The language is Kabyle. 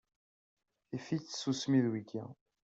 Tifi-tt tsusmi d wigi.